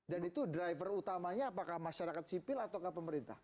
dan itu driver utamanya apakah masyarakat sipil atau pemerintah